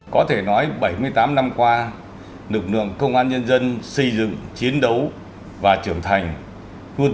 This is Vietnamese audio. có thể nói bảy mươi tám năm qua lực lượng công an nhân dân xây dựng chiến đấu và trưởng thành luôn